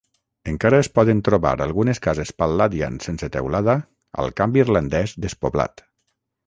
Encara es poden trobar algunes cases "palladian" sense teulada al camp irlandès despoblat.